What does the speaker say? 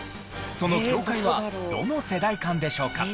その境界はどの世代間でしょうか？